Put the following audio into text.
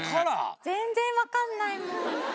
全然分かんない！